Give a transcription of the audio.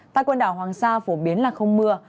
tại quần đảo hoàng sa phổ biến là không mưa